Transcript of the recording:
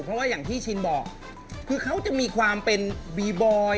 เพราะว่าอย่างที่ชินบอกคือเขาจะมีความเป็นบีบอย